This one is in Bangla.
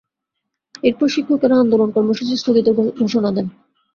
এরপর শিক্ষকেরা আন্দোলন কর্মসূচি স্থগিতের ঘোষণা দেন।